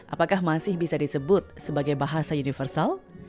apakah masih bisa disebut sebagai bahasa universal